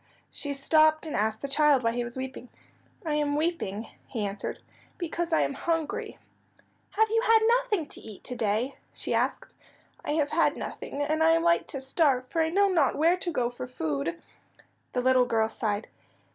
She stopped and asked the child why he was weeping. "I am weeping," he answered, "because I am hungry." "Have you had nothing to eat to day?" she asked. "I have had nothing, and I am like to starve, for I know not where to go for food." The little girl sighed.